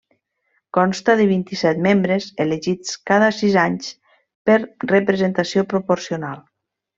Consta de vint-i-set membres, elegits cada sis anys per representació proporcional.